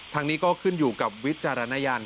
ทางนี้ก็ขึ้นอยู่กับวิจารณญาณ